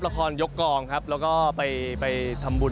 ยกกองครับแล้วก็ไปทำบุญ